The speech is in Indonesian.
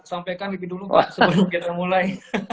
sampaikan lebih dulu pak sebelum kita mulai